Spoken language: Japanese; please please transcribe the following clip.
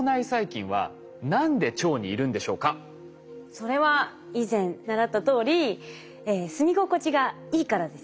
それは以前習ったとおり住み心地がいいからですよね。